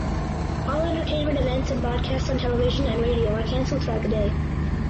All entertainment events and broadcasts on television and radio are canceled throughout the day.